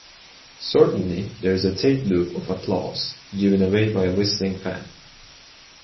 Certainly there is a tape-loop of applause, given away by a whistling fan.